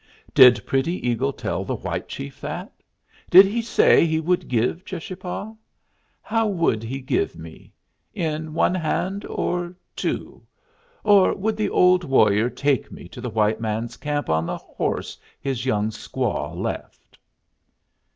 "Did Pretty Eagle tell the white chief that? Did he say he would give Cheschapah? How would he give me? In one hand, or two? Or would the old warrior take me to the white man's camp on the horse his young squaw left?"